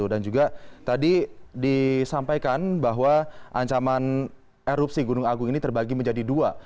dan juga tadi disampaikan bahwa ancaman erupsi gunung agung ini terbagi menjadi dua